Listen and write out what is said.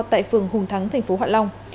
tại phường hùng thắng tp hoạn long